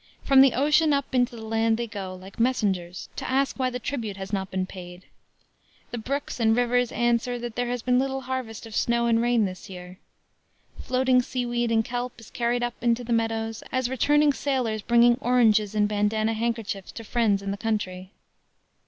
From the ocean up into the land they go, like messengers, to ask why the tribute has not been paid. The brooks and rivers answer that there has been little harvest of snow and rain this year. Floating sea weed and kelp is carried up into the meadows, as returning sailors bring oranges in bandanna handkerchiefs to friends in the country."